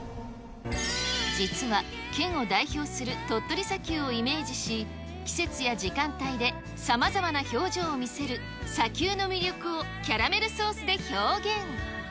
実は、県を代表する鳥取砂丘をイメージし、季節や時間帯でさまざまな表情を見せる砂丘の魅力をキャラメルソースで表現。